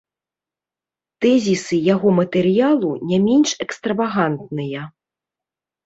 Тэзісы яго матэрыялу не менш экстравагантныя.